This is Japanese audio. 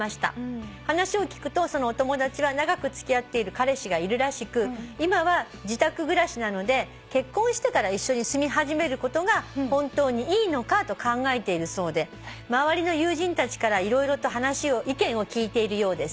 「話を聞くとそのお友達は長く付き合っている彼氏がいるらしく今は自宅暮らしなので結婚してから一緒に住み始めることが本当にいいのかと考えているそうで周りの友人たちから色々と意見を聞いているようです」